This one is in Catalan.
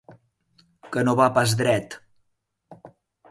Que no va pas dret.